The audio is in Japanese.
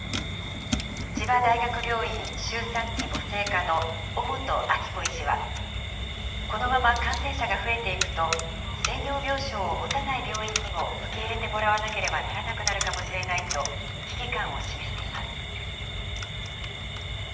千葉大学病院周産期母性科の尾本暁子医師は、このまま感染者が増えていくと、専用病床を持たない病院にも受け入れてもらわなければならなくなるかもしれないと危機感を示しています。